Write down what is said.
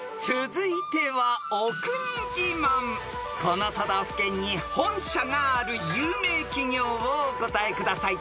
［この都道府県に本社がある有名企業をお答えください］